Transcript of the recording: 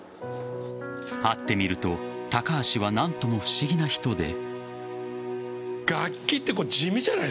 会ってみると高橋は何とも不思議な人で。